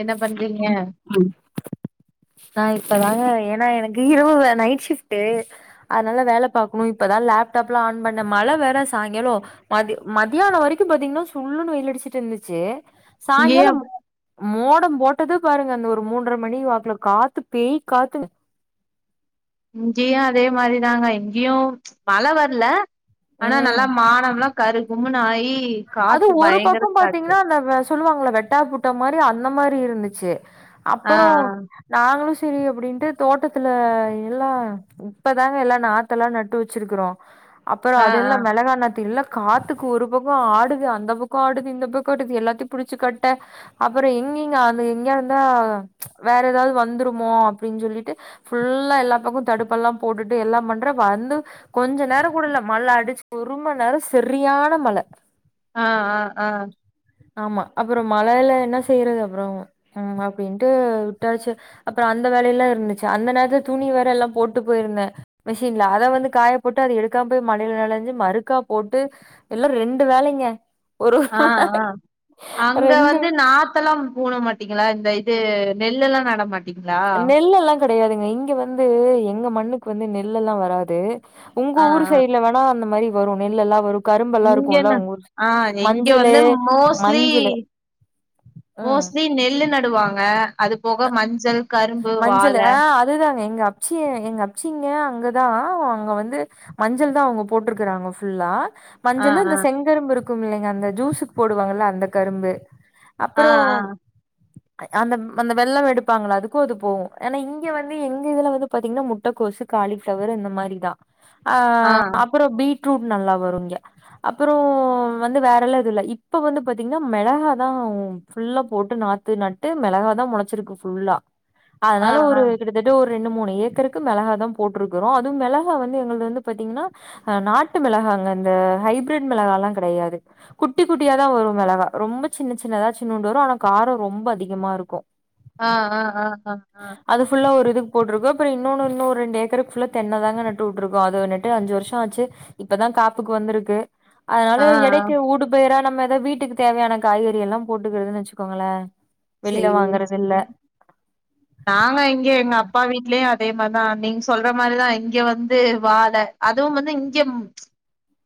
என்ன பண்றீங்க நா இப்பதாங்க ஏன்னா எனக்கு இரவுவேல நைட் ஷிப்ட்டு அதனால வேல பாக்கணும் இப்பதா லேப்டாப்லாம் ஆன் பண்ணேன் மழ வேற சாயங்காலம் மதிய மதியானம் வரைக்கும் பாத்தீங்கன்னா சுள்ளுன்னு வெயில் அடிச்சிட்டு இருந்துச்சு இங்கேயு சாய்ங்காலம் அப் மோடம் போட்டது பாருங்க அந்த ஒரு மூன்றரை மணி வாக்குல காத்து பேய் காத்து இங்கேயு அதே மாரிதாங்க இங்கயு மழ வரல ஆனா ம் நல்லா வானம்ல்லாம் கரு கும்முனு ஆயி அது காத்து ஒரு பயங்கர பக்கம் காத்து பாத்தீங்கன்னா அந்த சொல்லுவாங்கல்ல வெட்டா புட்ட மாரி அந்த மாரி இருந்துச்சு ஆ அப்பறம் நாங்களும் சரி அப்டின்ட்டு தோட்டத்துல எல்லாம் இப்பதாங்க எல்லா நாத்தெல்லாம் நட்டு வச்சிருக்குறோம் அப்பறம் ஆ ஆ அதெல்லா மெளகானாத்தில்லாம் காத்துக்கு ஒரு பக்கம் ப ஆடுது அந்த பக்கோ ஆடுது இந்த பக்கோ ஆடுது எல்லாத்தயு புடிச்சு கட்ட அப்பற எங்கிங்க அந்த எங்கயாது இந்தா வேற ஏதாது வந்துருமோ அப்டின்னு சொல்லிட்டு ஃபுல்லா எல்லா பக்கோ தடுப்பல்லா போட்டுட்டு எல்லா பண்ற வந்து கொஞ்ச நேரோ கூட இல்ல மழ அடிச்சு ஒரு மண் நேரோ செரியான மழ ஆ ஆ ஆ ஆமா அப்பற மழல என்ன செய்யறது அப்பற உம் அப்டின்ட்டு விட்டாச்சு அப்றோ அந்த வேலல்லா இருந்துச்சு அந்த நேரத்துல துணி வேற எல்லா போட்டு போயிருந்த மெஷின்ல அத வந்து காய போட்டு அது எடுக்காம மழைல நனஞ்சு மறுக்கா போட்டு எல்லாம் ரெண்டு வேலைங்க ஒரு ஆ ஆ ஆ அங்க ரெண்டு வந்து நாத்தெல்லாம் போன மாட்டீங்களா இந்த இது நெல்லெல்லா நடமாட் நெல்லெல்லாம் கடையாதுங்க இங்க வந்து எங்க மண்ணுக்கு வந்து நெல்ல எல்லாம் வராது உங்க ஆ ஊர் ஆ சைடு்ல வேணா அந்த மாரி வரும் நெல் எல்லா வரும் கரும்பு எல்லா இருக்குல இங்கென்ன உங்கஊரு ஆ இங்க மஞ்சளு வந்து மோஸ்ட்லி மஞ்சளு ம் மோஸ்ட்லி நெல்லு நடுவாங்க அது போக மஞ்சள் கரும்பு வாழ மஞ்சளு ஆ அதுதாங்க எங்க அப்ச்சி எங்க அப்ச்சிங்க அங்கதா அவுங்க வந்து மஞ்சள் தா அவுங்க போட்ருக்குறாங்க ஃபுல்லா ஆ மஞ்சளு இந்த ஆ செங்கரும்பு இருக்கும்மில்லைங்க அந்த ஜூஸுக்கு போடுவாங்கள அந்த கரும்பு ஆ அப்றோ ஆ அந்த அந்த வெல்லம் எடுப்பாங்கள்ல அது கோது போவு ஏனா இங்க வந்து எங்க இதுல வந்து பாத்தீங்கன்னா முட்டக்கோசு காளிஃபிளவரு இந்த மாரிதா ஆ அப்பறோ பீட்ரூட் நல்லா வரு இங்க அப்பறோ வந்து வேறெல்லா எதுல்ல இப்ப வந்து பாத்தீங்கன்னா மெளகா தா ஃபுல்லா போட்டு நாத்து நட்டு மெளகா தா மொளச்சிருக்கு ஃபுல்லா ஆ ஆ அதனால ஆ ஒரு கிட்டத தட்ட ஒரு ரெண்டு மூணு ஏக்கருக்கு மெளகா தா போட்ருக்குறோ அது மெளகா வந்து எங்கள்து வந்து பாத்தீங்கன்னா ஆ நாட்டு மெளகாங்க இந்த ஹைப்பிரிட் மெளகால்லா கெடயாது குட்டி குட்டியா தா வரு மெளகா ரொம்ப சின்ன சின்னதா சின்னோன்டு வரு ஆனா காரோ ரொம்ப அதிகமாருக்கு ஆ ஆ ஆ ஆ அது ஃபுல்லா ஒரு இதுக்கு போட்ருக்கோ அப்றோ இன்னொன்னு இன்னு ஒரு ரெண்டு ஏக்கருக்கு ஃபுல்லா தென்ன தாங்க நட்டு வுட்ருக்கோ அது ந ட்டு அஞ்சு வர்ஷோ ஆச்சு இப்பதா காப்புக்கு வந்துருக்கு அதனால ஆ ஆ எடைக்கு வூடு பேரா நம்ம எதாவ் வீட்டுக்கு தேவயான காய்கறி எல்லா போட்டுக்கறதுன்னு வச்சுக்கோங்களே வெளில சேரி வாங்குறது இல்ல சேரி நாங்க இங்க எங்கப்பா வீட்லயே அதேமார் தா நீங் சொல்ற மாரிதா இங்க வந்து வாழ அதுவும் வந்து இங்க ம்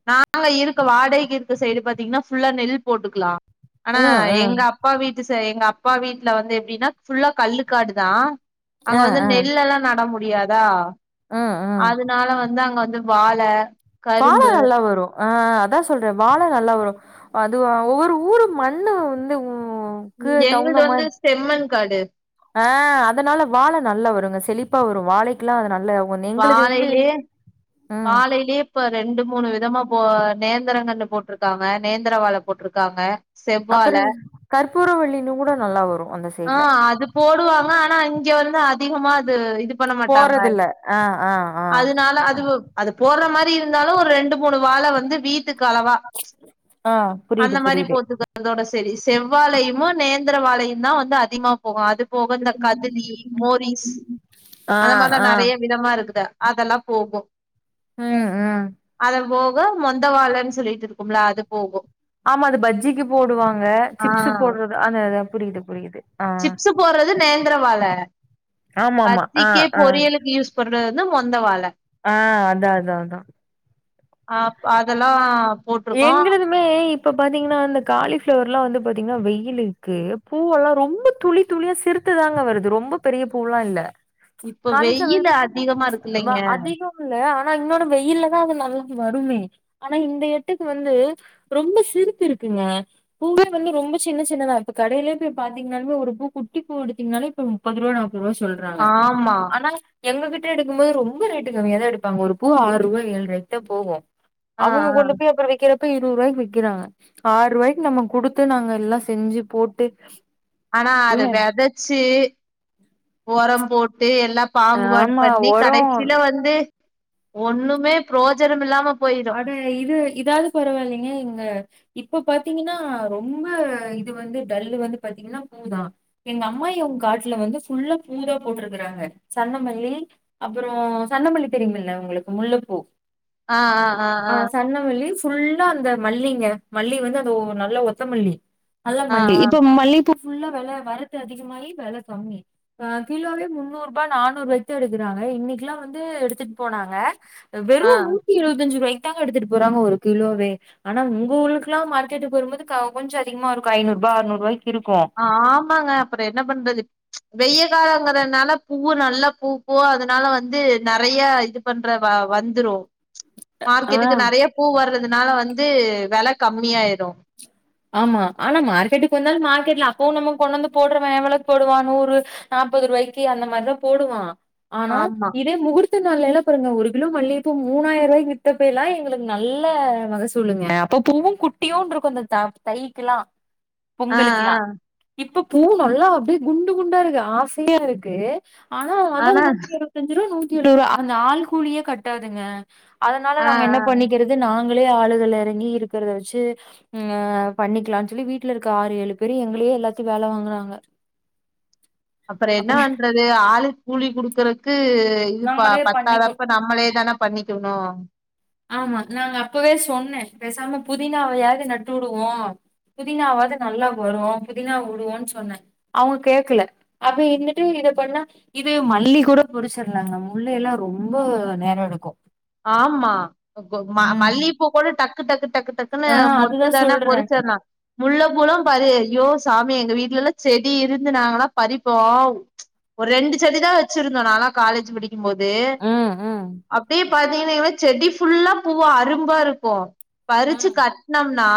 நாங்க இருக்க வாடைக்கி இருக்க சைடு பாத்தீங்கன்னா ஃபுல்லா நெல் போட்டுக்லா ஆனா ம் ம் எங்கப்பா வீட்டு சை எங்கப்பா வீட்ல வந்து எப்டின்னா ஃபுல்லா கல்லு க்காடு தா அங்க ஆ வந்து ஆ நெல்லல்லா நட முடியாதா ம் ம் அதுனால வந்து அங்க வந்து வாழ கால கரும்பு நல்லா வரு ஆ அதா சொல்றே வாழ நல்லா வரு அது ஒவ்வொரு ஊரு மண்ணு வந்து உ க்கு இங்க தகுந்த எங்கள்டு வந்து மாரி செம்மண் காடு ஆ அதனால வாழ நல்லா வருங்க செழிப்பா வரு வாழைக்கெல்லா அது நல்ல எங்களுது வந்து வாழைலே ம் வாழைலே இப்ப ரெண்டு மூணு விதமா போ நேந்தரங்கன்று போட்ருக்காங்க நேந்தர வாழ போட்ருக்காங்க. செவ்வாழ அப்பறய் கற்பூர வள்ளி னூட நல்லா வரு அந்த ஆ சைட்ல அது போடுவாங்க ஆனா இங்க வந்து அதிகமா அது இது பண்ண மாட்டாங்க போறதில்ல ஆ ஆ ஆ அதனால அது அது போட்ற மாரி இருந்தாலு ஒரு ரெண்டு மூணு வாழ வந்து வீட்டுக்கு அளவா ஆ புரியுது அந்த மாரி புரியுது போட்ருக்கறதோட செரி செவ்வாழைமோ நேந்தரவாழையு தா வந்து அதிமா போகு அது போகு இந்த கதுலி மோரிஸ் ஆ அந்த மார்லா ஆ நறைய விதமா இருக்குது அதெல்லா போகு ம் ம் அத போ வ மொந்த வாழன் சொல்லிட்டு இருக்கும்ல அது போகு ஆமா அது பஜ்ஜிக்கு போடுவாங்க ஆ சிப்ஸ்ஸு போட்றது அதா அதா புரிது புரிது சிப்ஸ்ஸு போட்றது நேந்தரவாழ ஆமா ஆமா ஆ பஜ்ஜிக்கு ஆ பொரியலுக்கு யூஸ் பண்றது வந்து மொந்த வாழ ஆ அதா அதா அதா ஆ ப் அதெல்லா போட்ருக்கோ எங்களது வே இப்ப பாத்தீங்ன்னா இந்த காலிஃப்ளவர்ல்லா வந்து பாத்தீங்கன்னா வெயிலுக்கு பூவெல்லா ரொம்ப துளி துளியா சிரித்துதாங்க வருது ரொம்ப பெரிய பூலா இல்ல இப்ப வெயில் அதிகமா இருக்குல்லைங்க ஒன்னுல்ல ஆனா இன்நோனு வெயில்லதா அது நல்ல வருமே ஆனா இந்த வீட்டுக்கு வந்து ரொம்ப சிருத்துருக்குங்க பூவே வந்து ரொம்ப சின்னசின்னதா இப்ப கடையிலே பாத்தீங்கன்னாலுமே ஒரு பூ குட்டி பூ எடுத்தீங்கனாலே இப்ப முப்பது ரூவா நாப் ரோ சொல்றாங்க ஆமா ஆனா எங்க கிட்ட எடுக்கும்போது ரொம்ப ரேட்டு கம்மியாதா எடுப்பாங்க ஒரு பூ ஆறு ரூபா ஏழு ரூபாய்க்கு தா போகு ஆ அவங்க ஆ கொண்டு போய் விக்கிறப்ப இருவரூவாய்க்கு விக்கிறாங்க ஆரூவாய்க்கு நம்ம குடுத்து நாங்க எல்லா செஞ்சு போட்டு ஆனா அத ஏ வெதச்சு ஒரம் போட்டு எல்லா பாகுபாடு ஆமா பண்ணி உரம் கடைசியில வந்து ஒண்ணுமே புரோஜனம் இல்லாம போயிரு அது இது இதாவது பரவாயில்லைங்க இங்க இப்ப பாத்தீங்கன்னா ரொம்ப இது வந்து டல்லு வந்து பாத்தீங்கன்னா பூதா எங்க அம்மாயிங் காட்ல வந்து ஃபுல்லா பூ தா போட்ருக்கறாங்க சன்னமல்லி அப்பறோ சன்னமல்லி தெரியுமில்ல உங்களுக்கு முல்லப்பூ ஆ ஆ ஆ ஆ சன்ன மல்லி ஃபுல்லா அந்த மல்லிங்க மல்லி வந்து அது ஓ நல்லா ஒத்தமல்லி நல்லா ஆ ஆ மல்லி இப்ப மல்லிப்பூ புல்லா வெல வரத்து அதிகமாகி வெல கம்மி ஆ கிலோவே முன்னூரூபா நானூரூபாய்க்கு தா எடுக்கறாங்க இன்னைக்குலா வந்து எடுத்துட்டு போனாங்க ஆ வெறும் நூத்தி இருவத்தஞ்சு ரூவாய்க்கு தாங்க எடுத்துட்டு போறாங்க ஒரு கிலோவே ஆனா உங்க ஊருக்குலாம் மார்க்கெட்டுக்கு வரும்போது கொஞ்ச அதிகமா இருக்கு ஐநூரூபா அறநூரூவாய்க்கு இருக்கூ ஆமாங்க அப்பற என்ன பண்றது வெய்ய காலங்கறனால பூவு நல்ல பூக்கு அதனால வந்து நெறைய இது பண்ற வா வந்துரு ஆ மார்க்கெட்டுக்கு நெறைய பூ வர்றதுனால வந்து வெல கம்மியாயிடு ஆமா ஆனா மார்க்கெட்டுக்கு வந்தாலு மார்க்கெட்ல அப்பவு நம்ம கொண்டு வந்து போடுறவ எவ்வளோக்கு போடுவா நூறு நாப்பது ரூபாய்க்கு அந்த மாரிதா போடுவா ஆனா ஆமா இதே முகூர்த் முகூர்த்த நால்லல்லா பாருங்க ஒரு கிலோ மல்லிகைப்பூ மூணாய்ரூவாய்க்கு வித்தப்பெல்லா எங்களுக்கு நல்ல மகசூலுங்க இப்போ பூவு குட்டியூண்ட்ருக்கு அ இந்த த தைக்குலா ஆ பொங்கலுக்குலா ஆ இப்ப பூ நல்லா அப்டியே குண்டு குண்டாருக்கு ஆசையா இருக்கு ஆனா அதா நூத்திஇருவ தஞ்சிரு நூத்தி எழுவரூவா அந்த ஆள் கூலியே கட்டாதுங்க அதனால ஆ நாங்க என்ன ஆ பண்ணிக்கிறு இது நாங்களே ஆளுகல எறங்கி இருக்குறத வச்சி ம் ஆ பண்ணிக்கலா சொல்லி வீட்ல இருக்க ஆறு ஏழு பேரு எங்களையே எல்லாத்தையு வேல வாங்குறாங்க அப்பற என்னா அப்புற வண்றது ஆளு கூலி குடுக்குறக்கு இதுப்ப நாங்களே பண்ணிக்கோ பத்தாதப்ப நம்மளே தான பண்ணிக்கணு ஆமா நாங்க அப்பவே சொன்னே பேசாம புதினாவையாது நட்டு விடுவோ புதினாவது நல்லா வரு புதினா வுடுவோன் சொன்னே அவுங்க கேக்கல அப்ப இருந்துட்டு இத பண்ணா இது மல்லி கூட பொடுசு இல்லாங்க முல்லைல்லா ரொம்ப நேரோ எடுக்கு ஆமா கொ கொ ம ம் மல்லிப்பூ கூட டக்கு டக்கு டக்கு டக் குண்ணு ஆ மொட்டு அதுதா தான சொல்றே பொறிச்சன்னா முள்ள பூலா பறி அய்யோ சாமி எங்க வீட்லல்ல செடி இருந்து நாங்கல்லா பறிப்போ வ் ஒரு ரெண்டு சடிதா வச்சிருந்தோ நாலா காலேஜ் படிக்கும்போது ம் ம் அப்டே [unintelligible] செடி ஃபுல்லா பூவா அரும்பா இருக்கு பறிச்சு ம் கட்னம்னா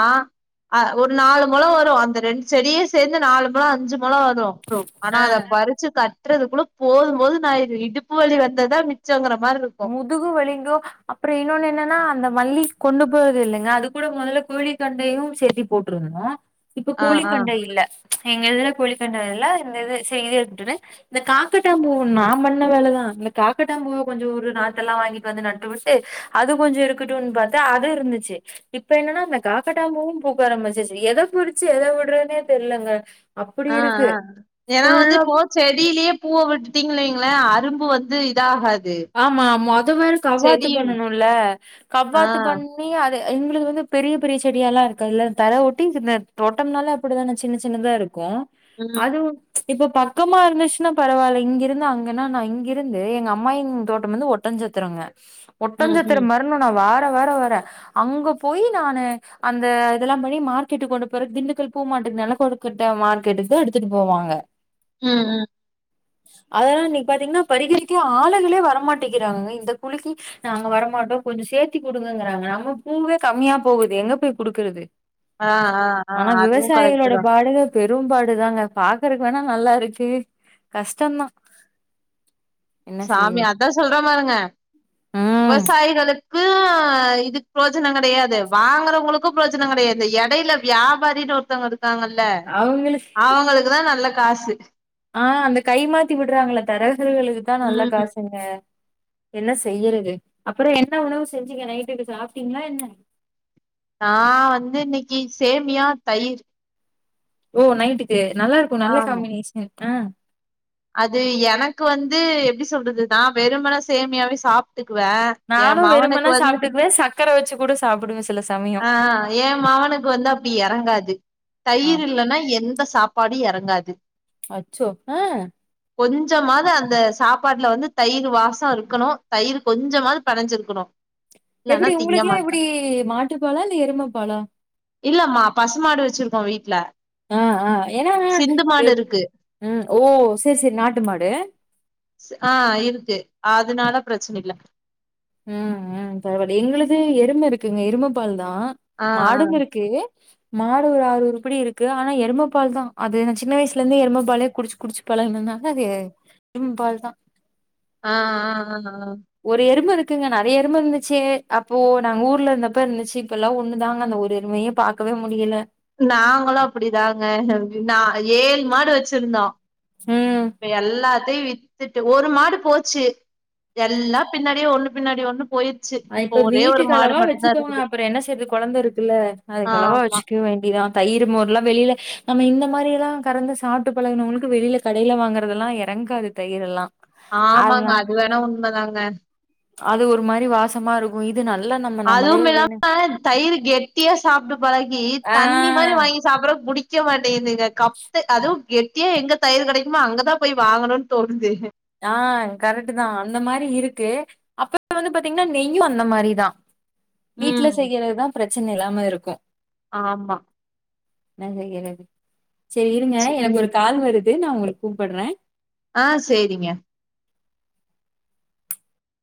அ ஒரு நாலு மொலோ வரு அந்த ரெண்டு செடியே சேத்து நாலு மொலோ அஞ்சு மொலோ வரு ஆனா ஆ அதப் பறிச்சு கட் த்ற அதுக்குள்ளப் போதும் போதுனு ஆயிர்து இடுப்பு வழி வந்ததா மிச்சங்கற மார்ருக் முதுகு வலிங்கோ அப்றோ இன்னொனு என்னனா அந்த மல்லிஸ் கொண்டு போவது இல்லங்க அது கூட மொதலக் கோழி கண்டையு சேத்தி போட்ருந்தோ இப்ப ஆ கோழி ஆ கண்டை இல்ல எங்க இதுல கோழி கண்டயில இந்த இது செ இதே இருக்ட்டுனு இந்த காக்கட்டாம்பூ நாம் பண்ண வேலதா இந்த காக்கட்டாம்பூவ கொஞ்சூ ரு நாத்தெல்லா வாங்கிட்டு வந்து நட்டு விட்டு அது கொஞ்ச இருக்குட்டுன் பாத்தா அது இருந்துச்சி இப்ப என்னனா அந்த காக்கட்டாம் பூவு பூக்க ஆரம்பிச்சிருச்சு எதப் பொரிச்சு எத விட்றனே தெர்லங்க அப்டி அ இருக்கு அ எனா வந்து ஃபுல்லா போத் செடிலேயே பூவ விட்டுட்டீங்களீங்ளே அரும்பு வந்து இதாகாது ஆமா மொத வேற கவ்வாத்து செடி பண்ணனுல ஆ கவ்வாத்து பண் நீங்க அது எங்ளுது வந்து பெரிய பெரிய செடியெலா இருக்காது இல்ல தர ஒட்டி சின்னத் தோட்டம்னால அப்டிதான சின்ன சின்னதா இருக்கு ம் அதுவு இப்ப பக்கமா இருந்துச்சுனா பரவால இங்கிருந்து அங்கனா நா இங்கிருந்து எங்கம்மாயின் தோட்டம் வந்து ஒட்டஞ்சத்தரங்க ம் ஒட்டஞ்சத்தர ம் மர்ணுனா வார வார வர அங்க போயி நானு அந்த இதலாம் பண்ணி மார்க்கெட்டு கொண்டு போற திண்டுக்கல் பூ மாட்டுக்கு நெலக் கொடுக்கட்ட மார்கெட்டுக்தா எடுத்துட்டு போவாங்க ம் ம் அதலா இன்னிக் பாத்தீங்கனா பரிகறிக்க ஆளுகளே வரமாட்டேகிறாங்க இந்தக் குழிக்கி நாங்க வரமாட்டோ கொஞ்சோ சேத்தி குடுங்கங்கறாங்க நம்ம பூவே கம்மியா போகுது எங்கப் போய் குடுக்கறது ஆ ஆ ஆ ஆனா அதுவு கரெக்ட் விவசாயிகளோட தா பாடுகப் பெரும்பாடுதாங்க பாக்கறக் வேணா நல்லாருக்கு கஷ்டந்தா என்ன செய்யர் தா சொல்ற மாருங்க விவசாயிகளுக் அ இதுக் ப்ரோஜனங் கெடையாது வாங்கறவங்ளுக்கும் ப்ரோஜன கெடையாது எடையில வியாபாரினு ஒருத்தவுங்களு தாங்கல்ல அவங்களுக்கு அவங்களுக்குதா நல்ல காசு அ அந்த கைமாத்தி விட்றாங்கள தரகல்களுக்குதா நல்ல ம் காசுங்க என்ன செய்யறது அப்பறோ என்ன உணவு செஞ்சிங்க நைட்டுக்கு சாப்ட்டீங்ளா என்ன நா வந்து இன்னக்கி சேமியா தயிர் ஓ நைட்டுக்கு நல்லாருக்கு நல்ல ஆமா காம்பினேஷன் ஆ அது எனக்கு வந்து எப்டி சொல்றது நா வெறுமன சேமியாவே சாப்ட்டுக்குவே எ நானு வெருமன மவனுக்கு வந்து சாப்ட்டுக்குவே சக்கர வெச்சி கூட சாப்டுவேச் ஆ எ மவனுக்கு வந்து அப்டி எறங்காது ஆ தயிர் இல்லனா எந்த சாப் பாடு எறங்காது அச்சோ அ கொஞ்சமாது அந்த சாப்பாட்ல வந்துத் தயிரு வாசோ இருக்கணு தயிரு கொஞ்சமாது பெனஞ்சிருக்கணு இல்லன்னா எப்டி திங்க மாட் உங்ளுக்குலா எப்டி மாட்டுப்பாலா இல்ல எருமப்பாலா இல்லம்மா பசுமாடு வச்சிருக்கோ வீட்ல ஆ ஆ ஏனா சிந்து மாடு ப் இருக்கு ம் ஓ சேரி சேரி நாட்டு மாடு ச் ஆ இருத்து அதனால பிரச்சன இல்ல ம் ம் பரவால எங்ளுது எரும இருக்குங்க எருமப்பால்தா ஆ மாடும் இருக்கு மாடு ஒரு ஆறு வுறுப்பிடி இருக்கு ஆனா எரும பால்தா அது நா சின்ன வயசலிந்தே எருமப்பாலே குடிச்சு குடிச்சு பழகுணனால அது எருமபால் தா ஆ ஆ ஆ ஆ ஒரு எரும்பு இருக்குங்க நறையா எருபு இருந்துச்சு அப்போ நாங்க ஊர்ல இருந்தப்போ இருந்துச்சு இப்ப எல்லா ஒண்ணு தாங்க அந்த ஒரு எரும்பையே பாக்கவே முடியல நாங்களு அப்படிதாங்க நா ஏழ மாடு வச்சிருந்தோ உம் ப எல்லாத்தையு வித்துட்டு ஒரு மாடு போச்சு எல்லா பின்னாடியே ஒண்ணு பின்னாடி ஒண்ணு போயிர் இப்ப வீட்டுக்கு அளவா வச்சுக்கோங்க அப்புறோ என்ன செய்யிறது கொழந்த இருக்குல்ல அதுக்கு அளவா ஆமா வச்சுக்க வேண்டியதா தயிர் மோர் எல்லா வெளியில நம்ம இந்த மாரி எல்லா கறந்து சாப்புட்டு பழகுனவங்களுக்கு வெளியில கடைல வாங்கறதெல்லா இறங்காது தயிரெல்லா ஆமாங்க அது வேணா உண்மதாங்க அது ஒரு மாரி வாசமா இருக் இது நல்ல நம்ம நம்மளே அதுவு வேணு இல்லாம தயிர் கெட்டியா சாப்பிட்டு பழகி ஆ தண்ணி மாரி வாங்கி சாப்பிடிறக்கு புடி புடிக்க மாட்டேங்குதுங்க கப்பு அதுவு கெட்டியா எங்க தயிர் கெடைக்குமோ அங்கதா போய் வாங்கணும்னு தோணுது ஆ கரெக்ட்டு தா அந்த மாரி இருக்கு அப்பற வந்து பாத்தீங்கன்னா நெய்யு அந்த மாரிதா வீட்ல ம் செய்யறதுதா பிரச்சன இல்லாம இருக்கு ஆமா [unintelligible] சரி இருங்க எனக்கு ஒரு கால் வருது நா உங்கள கூப்புடுறே ஆ சேரிங்க